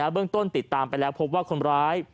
เรื่องต้นติดตามไปแล้วพบว่าคนร้าย